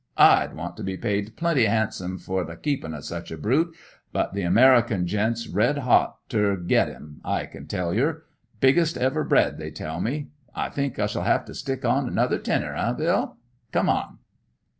I'd want to be paid pretty 'andsome fer the keepin' o' such a brute; but the American gent's red 'ot ter get 'im, I can tell yer. Biggest ever bred, they tell me. I think I shall 'ave to stick on another tenner, eh, Bill? Come on!"